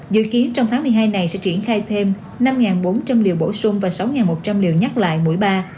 dự kiến trong tháng một mươi hai này sẽ triển khai thêm năm bốn trăm linh liều bổ sung và sáu một trăm linh liều nhắc lại mỗi ba